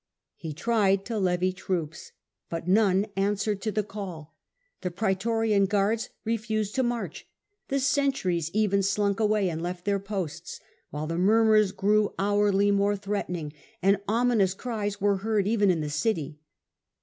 He tried to levy troops, but none answered to the call ; Deserted on the praetorian guards refused to march, the sentries even slunk away and left their posts, while the murmurs grew hourly more threatening, and ominous cries were heard even in the city.